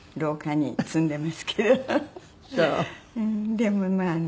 でもまあね。